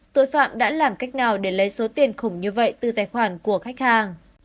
tội phạm đã làm cách nào để lấy số tiền khủng như vậy từ tài khoản của khách hàng